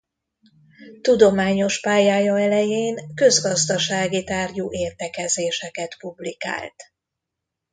Tudományos pályája elején közgazdasági tárgyú értekezéseket publikált.